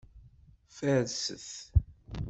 Farset.